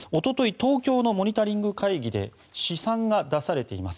東京のモニタリング会議で試算が出されています。